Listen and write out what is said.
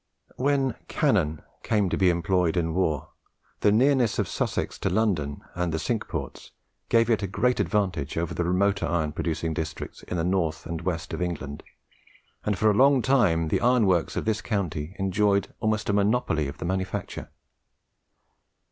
When cannon came to be employed in war, the nearness of Sussex to London and the Cinque Forts gave it a great advantage over the remoter iron producing districts in the north and west of England, and for a long time the iron works of this county enjoyed almost a monopoly of the manufacture.